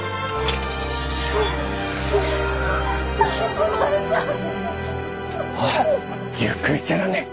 お前さん！おいゆっくりしてらんねえ。